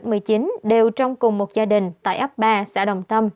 các ca mắc covid một mươi chín đều trong cùng một gia đình tại ấp ba xã đồng tâm